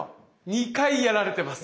二回やられてます。